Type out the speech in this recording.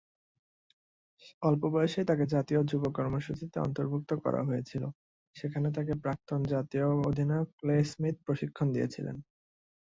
অল্প বয়সেই তাকে জাতীয় যুব কর্মসূচিতে অন্তর্ভুক্ত করা হয়েছিল, যেখানে তাকে প্রাক্তন জাতীয় অধিনায়ক ক্লে স্মিথ প্রশিক্ষণ দিয়েছিলেন।